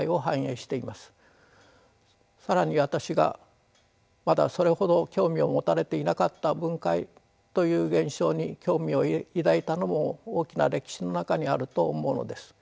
更に私がまだそれほど興味を持たれていなかった分解という現象に興味を抱いたのも大きな歴史の中にあると思うのです。